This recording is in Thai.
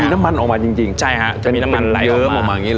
มีน้ำมันออกมาจริงจริงใช่ฮะจะมีน้ำมันไหลออกมาเป็นเหยิมออกมาอย่างงี้เลย